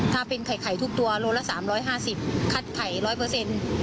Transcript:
ถ้าเป็นไข่ทุกตัวโลละ๓๕๐คัดไข่ร้อยเปอร์เซ็นต์